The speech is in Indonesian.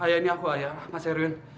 ayah ini aku ayah mas erwin